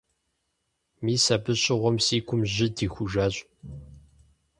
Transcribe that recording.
Мис абы щыгъуэм си гум жьы дихужащ.